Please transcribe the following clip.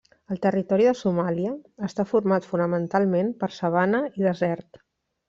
El territori de Somàlia està format fonamentalment per sabana i desert.